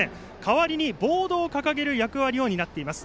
代わりにボードを掲げる役目を担っています。